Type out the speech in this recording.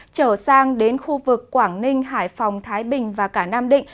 trở sang đến khu vực quảng ninh hải phòng thái bình và cả nam định